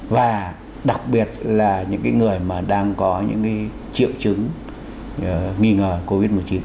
và đặc biệt là những người mà đang có những triệu chứng nghi ngờ covid một mươi chín